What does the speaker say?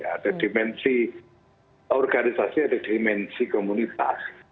ada dimensi organisasi ada dimensi komunitas